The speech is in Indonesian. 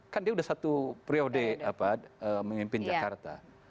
kan dia sudah satu periode memimpin jakarta